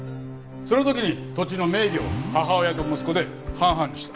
その時に土地の名義を母親と息子で半々にした。